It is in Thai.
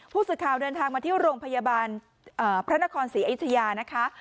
ผู้สื่อข่าวเดินทางมาที่โรงพยาบาลพระนครศรีอยุธยานะคะ